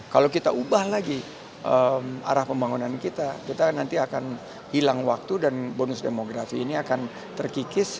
kalau kita ubah lagi arah pembangunan kita kita nanti akan hilang waktu dan bonus demografi ini akan terkikis